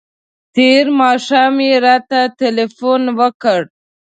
تېر ماښام یې راته تلیفون وکړ.